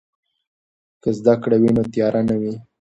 که زده کړه وي نو تیاره نه وي.